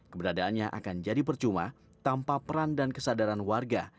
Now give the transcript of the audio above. keberadaannya akan jadi percuma tanpa peran dan kesadaran warga